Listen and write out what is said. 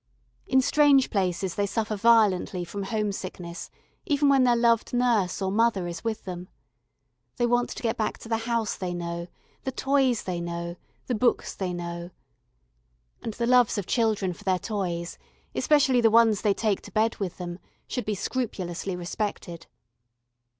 In strange places they suffer violently from home sickness, even when their loved nurse or mother is with them. They want to get back to the house they know, the toys they know, the books they know. And the loves of children for their toys, especially the ones they take to bed with them, should be scrupulously respected.